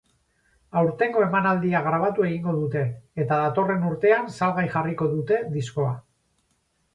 Aurtengo emanaldia grabatu egingo dute eta datorren urtean salgai jarriko dute diskoa.